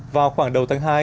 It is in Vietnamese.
vào khoảng đầu tháng hai